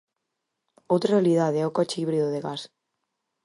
Outra realidade é o coche híbrido de gas.